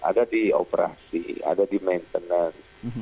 ada di operasi ada di maintenance